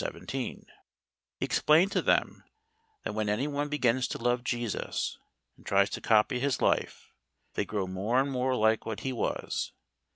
He explained to them that when any one begins to love Jesus, and tries to copy His life, they grow more and more like what He was.